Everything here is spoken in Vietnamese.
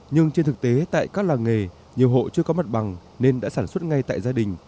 nhưng trên thực tế tại các làng nghề nhiều hộ chưa có mặt bằng nên đã sản xuất ngay tại gia đình